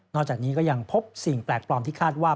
จากนี้ก็ยังพบสิ่งแปลกปลอมที่คาดว่า